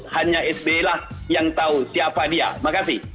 hanya sby yang tahu siapa dia terima kasih